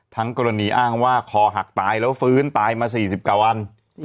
ทั้งกรณีอ้างว่าคอหักตายแล้วฟื้นตายมา๔๙วัน